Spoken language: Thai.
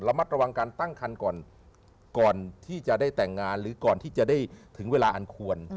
มัดระวังการตั้งคันก่อนก่อนที่จะได้แต่งงานหรือก่อนที่จะได้ถึงเวลาอันควร